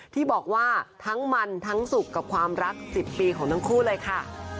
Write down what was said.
ที่บอกว่าทั้งมันทั้งสุขกับความรัก๑๐ปีของทั้งคู่เลยค่ะ